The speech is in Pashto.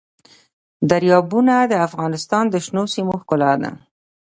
دریابونه د افغانستان د شنو سیمو ښکلا ده.